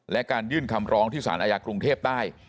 และการยื่นคำร้องที่สารอาญากรุงเทพใต้